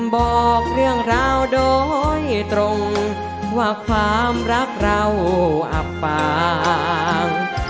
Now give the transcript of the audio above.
บอกเรื่องราวโดยตรงว่าความรักเราอับปาง